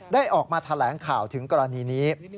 ออกมาแถลงข่าวถึงกรณีนี้